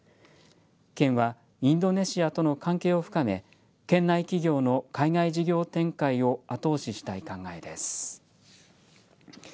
県はインドネシアとの関係を深め県内企業の海外事業展開を後押ししたい考えです。